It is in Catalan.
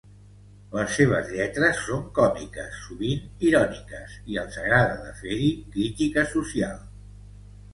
Les seves lletres són còmiques, sovint iròniques, i els agrada de fer-hi crítica social.